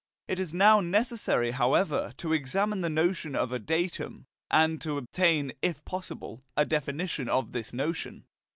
It is now necessary, however, to examine the notion of a "datum," and to obtain, if possible, a definition of this notion.